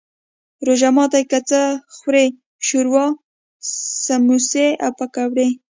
روژه ماتی کی څه خورئ؟ شوروا، سموسي او پکوړي